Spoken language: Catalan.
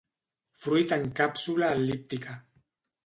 Fruit en càpsula el·líptica.